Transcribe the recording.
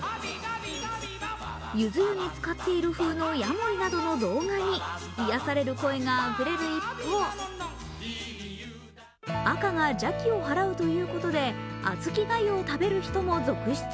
ゆず湯につかっている風のヤモリなどの動画に癒される超えがあふれる一方赤が邪気を払うということで、小豆がゆを食べる人も続出。